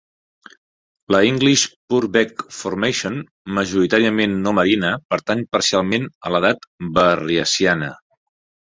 La English Purbeck Formation, majoritàriament no marina, pertany parcialment a l'edat Berriasiana.